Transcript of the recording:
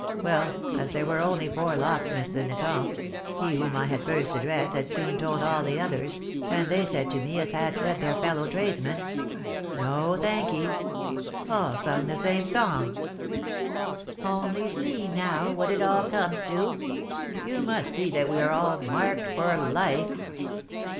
Well, as there were only four locksmiths in Etampes, he whom I had first addressed had soon told all the others, and they said to me as had said their fellow tradesman, 'No, thank ye.' All sung the same song." "Only see, now, what it all comes to! You must see that we are all marked for life."